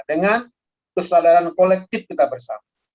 dengan kesadaran kolektif kita bersama